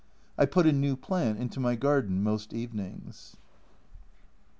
I put a new plant into my garden most evenings.